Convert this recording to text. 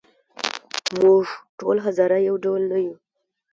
موږ ټول هزاره یو ډول نه یوو.